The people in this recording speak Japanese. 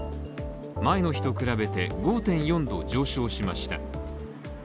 前の日と比べて５．４度上昇しました。